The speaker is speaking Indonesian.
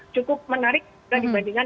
cukup menarik dibandingkan